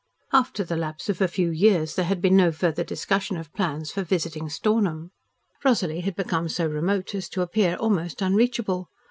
After the lapse of a few years there had been no further discussion of plans for visiting Stornham. Rosalie had become so remote as to appear almost unreachable.